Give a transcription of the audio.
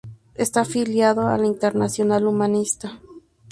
Está afiliado a la Internacional Humanista.